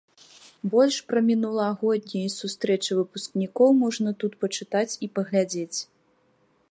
Больш пра мінулагоднія сустрэчы выпускнікоў можна тут пачытаць і паглядзець.